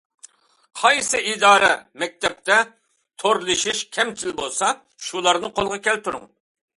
قايسى ئىدارە-مەكتەپتە تورلىشىش كەمچىل بولسا، شۇلارنى قولغا كەلتۈرۈڭ.